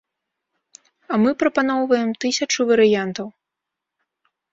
А мы прапаноўваем тысячу варыянтаў.